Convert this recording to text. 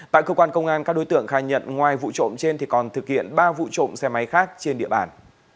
tại cơ quan công an các đối tượng khai nhận ngoài vụ trộm trên thì còn thực hiện ba vụ trộm xe máy khác trên địa bàn